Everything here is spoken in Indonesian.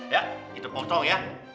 ya kita potong ya